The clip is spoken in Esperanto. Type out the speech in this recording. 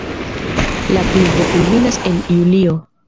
La pluvo kulminas en julio.